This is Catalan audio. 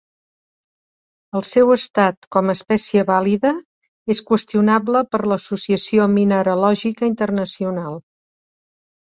El seu estat com a espècie vàlida és qüestionable per l'Associació Mineralògica Internacional.